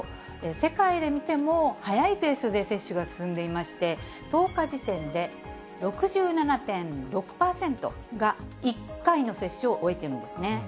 世界で見ても速いペースで接種が進んでいまして、１０日時点で、６７．６％が１回の接種を終えているんですね。